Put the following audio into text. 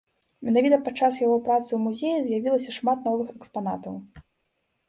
Менавіта падчас яго працы ў музеі з'явілася шмат новых экспанатаў.